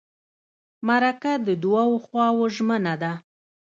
مرکه د دوو خواوو ژمنه ده.